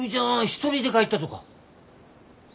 一人で帰ったとか？